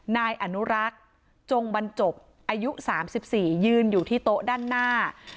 นายอนุรักษ์จงบรรจบอายุ๓๔ยืนอยู่ที่โต๊ะด้านหน้า